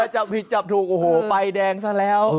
อ๋อจับผิดจับถูกป้ายแดงซะแล้ว